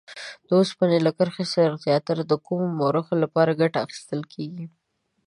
د اوسپنې له کرښې څخه زیاتره د کومو موخو لپاره ګټه اخیستل کیږي؟